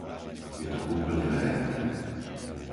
Je to úplne verejné.